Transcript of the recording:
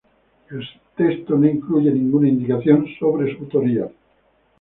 El texto no incluye ninguna indicación sobre su autoría.